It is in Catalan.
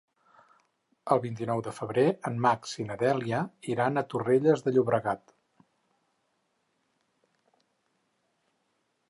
El vint-i-nou de febrer en Max i na Dèlia iran a Torrelles de Llobregat.